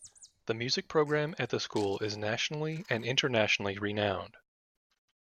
The music program at the school is nationally and internationally renowned.